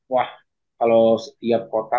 wah kalo setiap kota